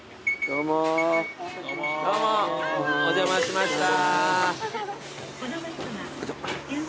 どうもお邪魔しました。